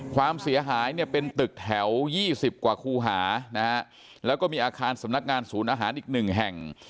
ความเสียหายเนี่ยเป็นตึกแถว๒๐กว่าคูหานะฮะแล้วก็มีอาคารสำนักงานศูนย์อาหารอีกหนึ่งแห่ง